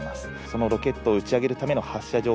そのロケットを打ち上げるための発射場。